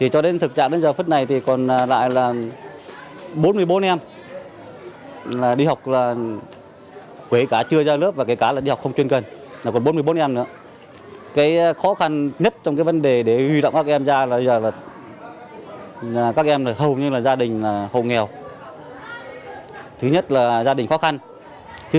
cảm ơn các bạn đã theo dõi